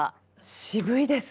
渋いですね。